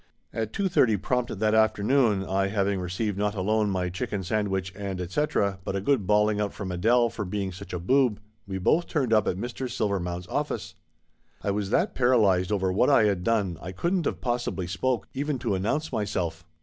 At 2 : 30 prompt that afternoon, I having received not alone my chicken sandwich and etc. but a good bawling out from Adele for being such a boob, we both turned up at Mr. Silvermount's office. I was that paralyzed over what I had done I couldn't of pos sibly spoke, even to announce myself.